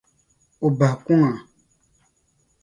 O bahi kuŋa.